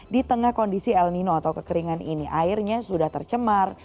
di tengah kondisi el nino atau kekeringan ini airnya sudah tercemar